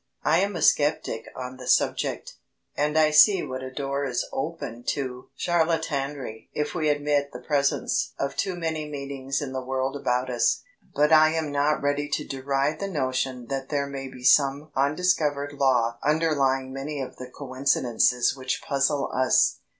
I am a sceptic on the subject, and I see what a door is opened to charlatanry if we admit the presence of too many meanings in the world about us. But I am not ready to deride the notion that there may be some undiscovered law underlying many of the coincidences which puzzle us.